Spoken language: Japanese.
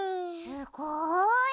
すっごい！